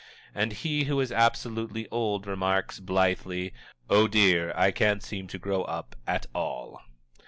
and he who is Absolutely Old remarks, blithely, "Oh, dear, I can't seem to grow up at all!"